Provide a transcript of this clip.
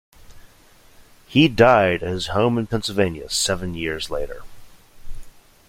He died at his home in Pennsylvania seven years later.